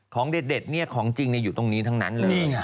ของเด็ดเนี่ยของจริงอยู่ตรงนี้ทั้งนั้นเลย